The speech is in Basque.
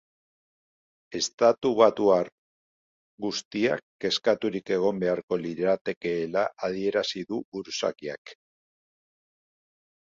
Estatubatuar guztiak kezkaturik egon beharko liratekeela adierazi du buruzagiak.